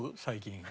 最近。